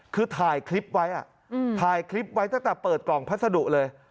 คือถ่ายคลิปไว้ถ่ายคลิปไว้ตั้งแต่เปิดกล่องพัสดุเลย